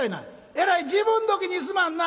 「えらい時分どきにすまんな」。